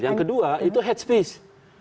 yang kedua itu headspace